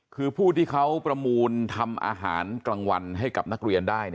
คือผู้ที่เขาประมูลทำอาหารกลางวันให้กับนักเรียนได้